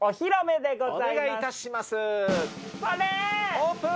オープン！